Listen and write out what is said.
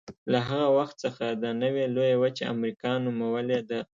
له هغه وخت څخه دا نوې لویه وچه امریکا نومولې ده.